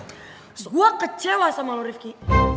terus gue kecewa sama lo rifki